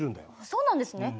そうなんですね。